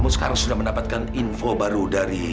sekarang sudah mendapatkan info baru dari